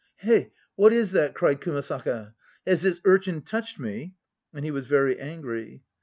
"Hey, what is that?" cried Kumasaka. "Has this urchin touched me?" And he was very angry.